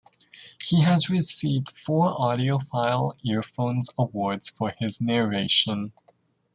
He has received four AudioFile Earphones Awards for his narration.